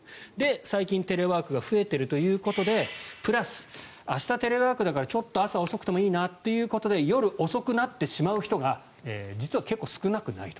最近テレワークが増えているということでプラス、明日テレワークだからちょっと朝遅くてもいいなということで夜遅くなってしまう人が実は結構少なくないと。